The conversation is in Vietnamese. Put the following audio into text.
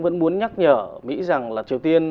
vẫn muốn nhắc nhở mỹ rằng là triều tiên